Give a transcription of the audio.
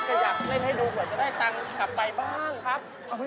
ไม่มีจังหรือ